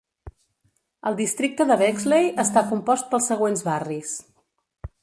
El districte de Bexley està compost pels següents barris.